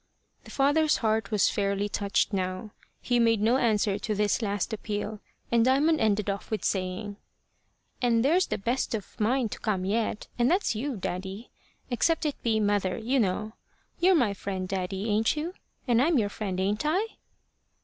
The father's heart was fairly touched now. He made no answer to this last appeal, and Diamond ended off with saying: "And there's the best of mine to come yet and that's you, daddy except it be mother, you know. You're my friend, daddy, ain't you? And I'm your friend, ain't I?"